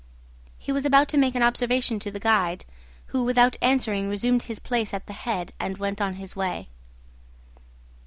He was about to make an observation to the guide, who without answering resumed his place at the head, and went on his way.